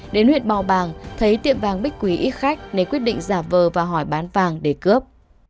đến huyện bào bàng thấy tiệm vàng bích quý ít khách nên quyết định giả vờ và hỏi bán vàng để cướp